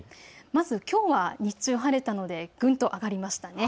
きょうは日中晴れたのでぐんと上がりましたね。